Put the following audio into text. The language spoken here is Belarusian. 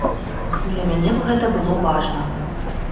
Для мяне б гэта было важна.